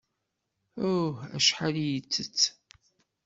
Aw! Acḥal ay ittett!